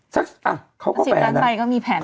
สัก๑๐ล้านใบก็มีแผน